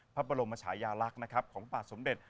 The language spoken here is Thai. ภพรมรรจาญาลักษณ์ของปราสมเด็จ